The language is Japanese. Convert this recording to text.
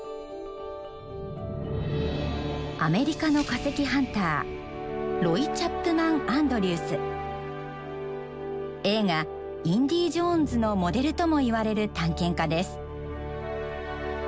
アメリカの化石ハンター映画「インディ・ジョーンズ」のモデルともいわれる探検家です。